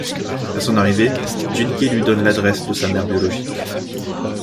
À son arrivée, Jin-ki lui donne l'adresse de sa mère biologique.